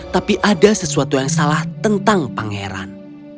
tapi ada sesuatu yang salah tentang pangeran